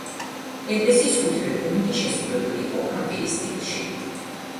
ეკლესიის ხუთივე გუმბათი შერულებული იყო ამპირის სტილში.